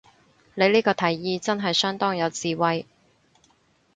你呢個提議真係相當有智慧